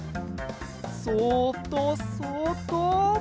そっとそっと。